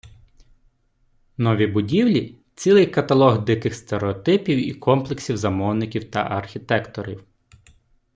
Нові будівлі – цілий каталог диких стереотипів і комплексів замовників та архітекторів.